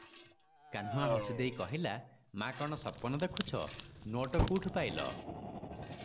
କାହ୍ନୁଆ ହସି ଦେଇ କହିଲା- "ମା' କଣ ସପନ ଦେଖୁଛ- ନୋଟ କୁଠୁ ପାଇଲ?"